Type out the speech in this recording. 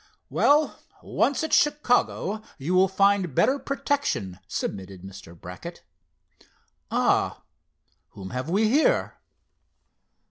"Well, once at Chicago, you will find better protection," submitted Mr. Vernon. "Ah whom have we here?"